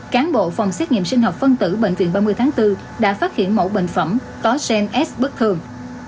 cáng bộ phòng xét nghiệm sinh học phân tử bệnh viện ba mươi tháng bốn đã phát hiện mẫu bệnh phẩm có cns bất thường